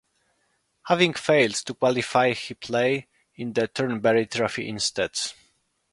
Having failed to qualify he played in the Turnberry Trophy instead.